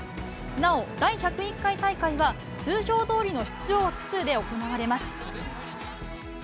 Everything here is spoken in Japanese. なお、第１０１回大会は、通常どおりの出場枠数で行われます。